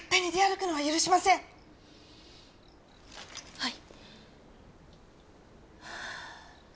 はい。